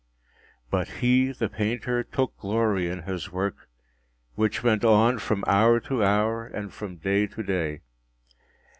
But he, the painter, took glory in his work, which went on from hour to hour, and from day to day.